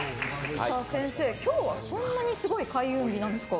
先生、今日はそんなにすごい開運日なんですか。